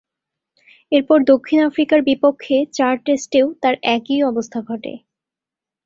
এরপর দক্ষিণ আফ্রিকার বিপক্ষে চার টেস্টেও তার একই অবস্থা ঘটে।